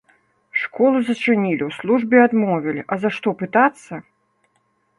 Школу зачынілі, у службе адмовілі, а за што, пытацца?!